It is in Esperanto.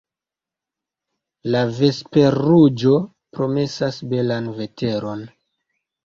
La vesperruĝo promesas belan veteron.